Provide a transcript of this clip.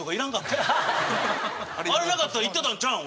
あれなかったらいってたんちゃうん？